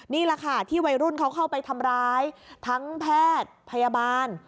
นี่แหละค่ะที่วัยรุ่นเขาเข้าไปทำร้ายทั้งแพทย์พยาบาล